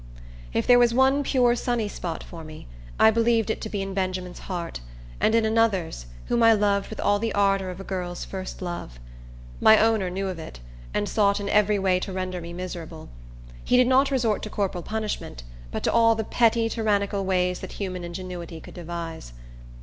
If there was one pure, sunny spot for me, I believed it to be in Benjamin's heart, and in another's, whom I loved with all the ardor of a girl's first love. My owner knew of it, and sought in every way to render me miserable. He did not resort to corporal punishment, but to all the petty, tyrannical ways that human ingenuity could devise.